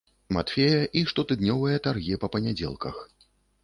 Матфея і штотыднёвыя таргі па панядзелках.